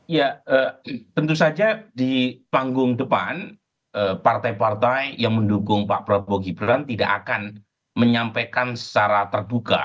ya tentu saja di panggung depan partai partai yang mendukung pak prabowo gibran tidak akan menyampaikan secara terbuka